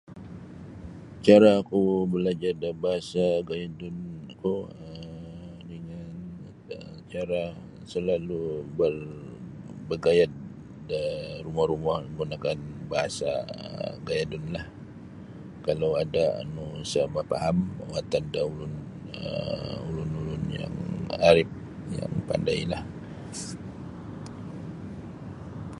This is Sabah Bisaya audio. Caraku balajar da bahasa gayadunku um dengan cara salalu' bar bagayad da rumo-rumo manggunakan bahasa gayadunlah kalau ada nu isa' mafaham watan da ulun um ulun-ulun yang arif yang mapandailah.